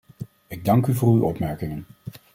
Ik dank u voor uw opmerkingen.